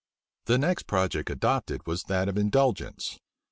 The next project adopted was that of indulgence.